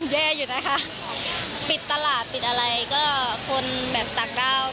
เยี่ยมอยู่นะคะปิดตลาดปิดอะไร